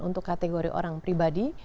untuk kategori orang pribadi